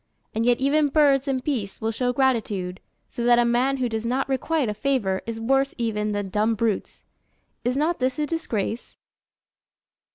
And yet even birds and beasts will show gratitude; so that a man who does not requite a favour is worse even than dumb brutes. Is not this a disgrace?